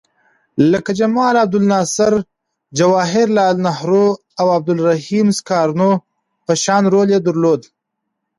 لکه جمال عبدالناصر، جواهر لعل نهرو او عبدالرحیم سکارنو په شان رول یې درلود.